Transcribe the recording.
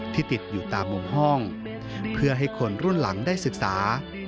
ติดอยู่ตามมุมห้องเพื่อให้คนรุ่นหลังได้ศึกษา